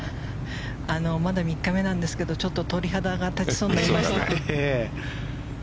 まだ３日目なんですがちょっと鳥肌が立ちそうになりました。